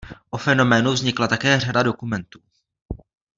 O fenoménu vznikla také řada dokumentů.